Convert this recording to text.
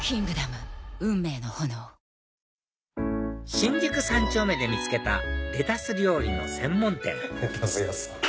新宿三丁目で見つけたレタス料理の専門店レタスやさん。